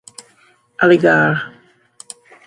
Aligarh.